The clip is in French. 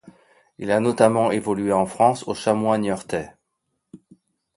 Il a notamment évolué en France aux Chamois niortais.